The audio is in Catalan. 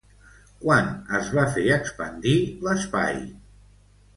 Quan es va fer expandir l'espai?